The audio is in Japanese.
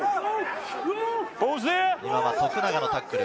今は徳永のタックル。